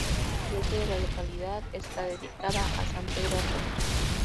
La iglesia de la localidad está dedicada a San Pedro Apóstol.